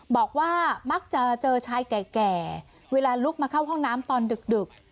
บอกว่ามักจะเจอชายแก่เวลาลุกมาเข้าห้องน้ำตอนดึก